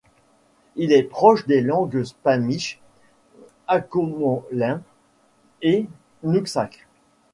Il est proche des langues squamish, halkomelem et nooksack.